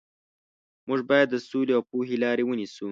موږ باید د سولې او پوهې لارې ونیسو.